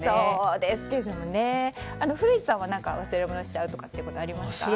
古市さんは何か忘れ物しちゃうということありますか？